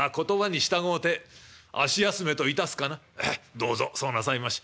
どうぞそうなさいまし。